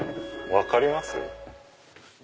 「分かります？」。